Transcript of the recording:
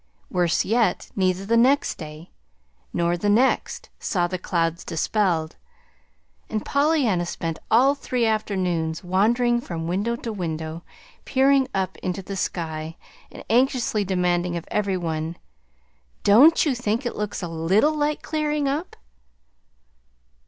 Worse yet, neither the next day nor the next saw the clouds dispelled; and Pollyanna spent all three afternoons wandering from window to window, peering up into the sky, and anxiously demanding of every one: "DON'T you think it looks a LITTLE like clearing up?"